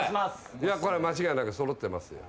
これは間違いなくそろってますよ。